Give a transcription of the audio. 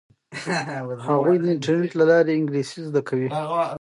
هغوی د انټرنیټ له لارې انګلیسي زده کوي.